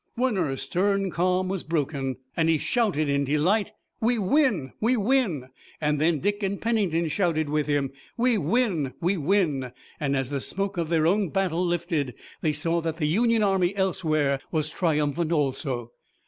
Warner's stern calm was broken, and he shouted in delight "We win! We win!" Then Dick and Pennington shouted with him: "We win! We win!" and as the smoke of their own battle lifted they saw that the Union army elsewhere was triumphant also.